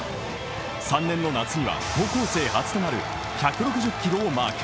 ３年の夏には高校生初となる１６０キロをマーク。